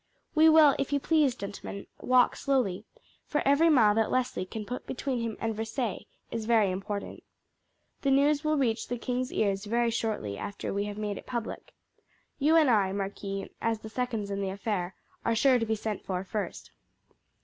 "We will, if you please, gentlemen, walk slowly, for every mile that Leslie can put between him and Versailles is very important. The news will reach the king's ears very shortly after we have made it public. You and I, marquis, as the seconds in the affair, are sure to be sent for first.